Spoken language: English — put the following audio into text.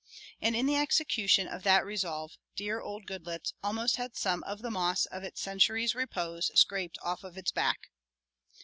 And in the execution of that resolve dear old Goodloets almost had some of the moss of its century's repose scraped off of its back.